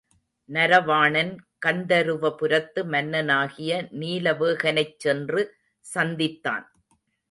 நரவாணன், கந்தருவபுரத்து மன்னனாகிய நீலவேகனைச் சென்று சந்தித்தான்.